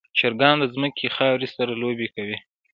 چرګان د ځمکې خاورې سره لوبې کوي.